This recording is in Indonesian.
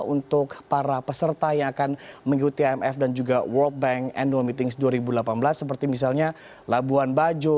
untuk para peserta yang akan mengikuti imf dan juga world bank annual meetings dua ribu delapan belas seperti misalnya labuan bajo